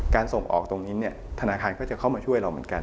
ส่งออกตรงนี้เนี่ยธนาคารก็จะเข้ามาช่วยเราเหมือนกัน